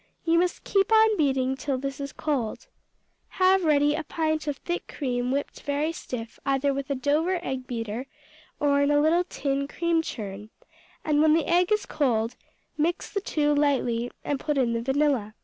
You must keep on beating till this is cold. Have ready a pint of thick cream, whipped very stiff, either with a Dover egg beater, or in a little tin cream churn, and when the egg is cold, mix the two lightly and put in the vanilla.